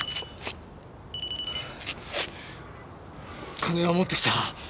金は持ってきた。